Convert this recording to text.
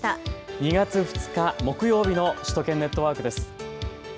２月２日木曜日の首都圏ネットワークです。